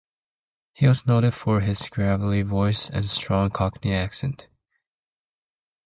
He was noted for his gravelly voice and strong Cockney accent.